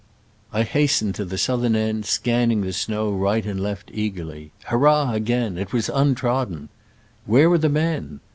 I hastened to the southern end, scanning the snow right and left eagerly. Hurrah again ! it was untrodden. ".Where were the men